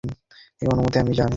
এই অনুভূতি আমি জানি।